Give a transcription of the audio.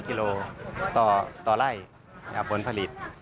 ๖๐๐กิโลกรัมต่อไร่ผลผลิต